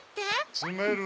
つめるの。